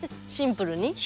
シンプルに？